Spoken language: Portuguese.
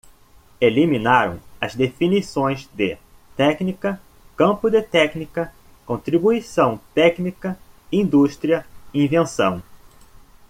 Eliminaram as definições de "técnica", "campo de técnica", "contribuição técnica", "indústria", "invenção".